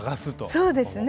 そうですね。